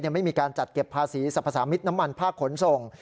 ไม่มีการจัดเก็บภาษีสรรพสามิตรน้ำมันภาคขนส่ง